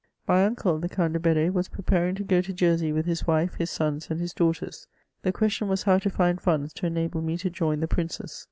My uncle, the Count de Bedee, was preparing to go to Jersey with his wife, his sons and his daughters. The question was how to find funds to enable me to join the princes.